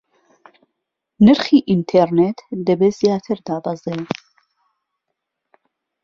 نرخی ئینتێڕنێت دەبێ زیاتر دابەزێ